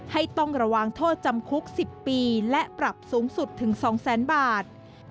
ต้องระวังโทษจำคุก๑๐ปีและปรับสูงสุดถึง๒แสนบาท